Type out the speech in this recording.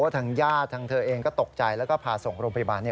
ทางญาติทางเธอเองก็ตกใจแล้วก็พาส่งโรงพยาบาล